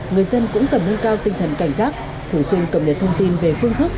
người dân cũng cần nâng cao tinh thần cảnh giác thử dung cầm liệt thông tin về phương thức